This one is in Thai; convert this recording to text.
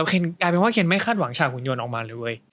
กลายเป็นว่าเคนไม่คาดหวังฉากหุ่นยนต์ออกมาเลยเว้ย